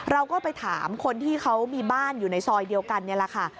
เราก็ไปถามคนที่เขามีบ้านอยู่ในซอยเดียวกันนี่แหละค่ะ